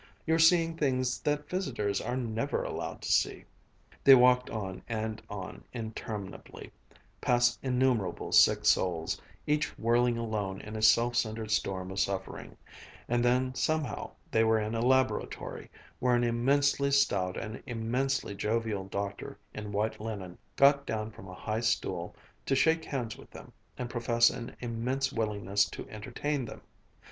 You're seeing things that visitors are never allowed to see." They walked on and on interminably, past innumerable sick souls, each whirling alone in a self centered storm of suffering; and then, somehow, they were in a laboratory, where an immensely stout and immensely jovial doctor in white linen got down from a high stool to shake hands with them and profess an immense willingness to entertain them.